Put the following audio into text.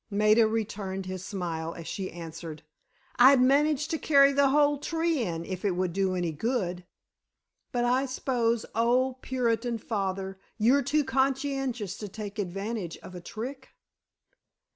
Maida returned his smile as she answered: "I'd manage to carry the whole tree in, if it would do any good! But, I s'pose, old Puritan Father, you're too conscientious to take advantage of a trick?"